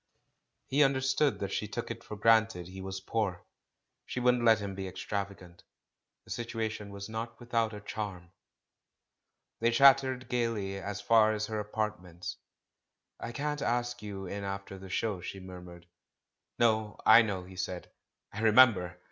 He understood that she took it for granted he was poor — she wouldn't let him be extravagant: the situation was not without a charm. THE CALL FROM THE PAST 40T They chattered gaily as far as her apartments. "I can't ask you in after the show," she mur mured. "No, I know," he said — "I remember!"